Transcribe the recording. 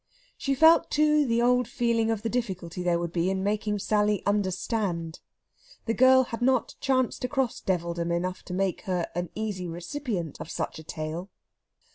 She felt, too, the old feeling of the difficulty there would be in making Sally understand. The girl had not chanced across devildom enough to make her an easy recipient of such a tale.